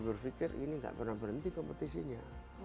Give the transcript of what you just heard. berpikir ini nggak pernah berhenti kompetisinya